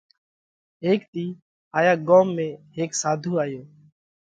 ھيڪ ۮِي ھايا ڳوم ۾ ھيڪ ساڌُو آيو